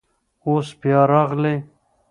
اوس بیا راغلی.